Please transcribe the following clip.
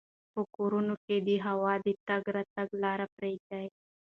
په کورونو کې د هوا د تګ راتګ لاره پریږدئ.